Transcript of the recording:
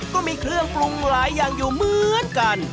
ก็มีเครื่องปรุงหลายอย่างอยู่เหมือนกัน